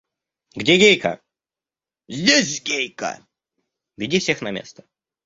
Где Гейка? – Здесь Гейка! – Веди всех на место.